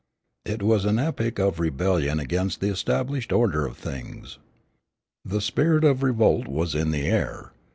It was an epoch of rebellion against the established order of things. The spirit of revolt was in the air.